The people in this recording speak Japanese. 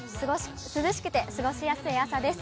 涼しくて過ごしやすい朝です。